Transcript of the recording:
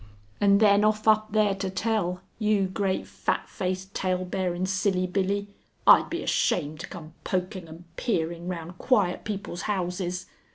And then off up there to tell! You great Fat Faced, Tale Bearin' Silly Billy! I'd be ashamed to come poking and peering round quiet people's houses...."